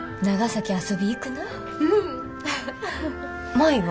舞は？